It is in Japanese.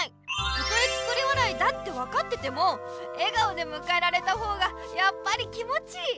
たとえ作り笑いだって分かってても笑顔でむかえられた方がやっぱり気もちいい。